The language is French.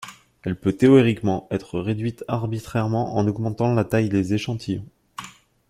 Elle peut théoriquement être réduite arbitrairement en augmentant la taille des échantillons.